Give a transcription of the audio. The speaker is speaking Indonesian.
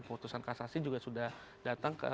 putusan kasasi juga sudah datang ke